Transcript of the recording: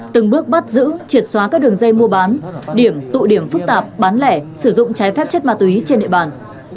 từng bước bắt giữ triệt xóa các đường dây mua bán điểm tụ điểm phức tạp bán lẻ sử dụng trái phép chất ma túy trên địa bàn